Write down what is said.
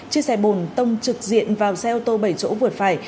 chiếc xe bồn tông trực diện vào xe ô tô bảy chỗ vượt phải